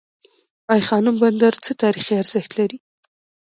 ای خانم بندر څه تاریخي ارزښت لري؟